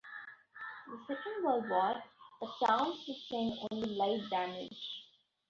In the Second World War, the town sustained only light damage.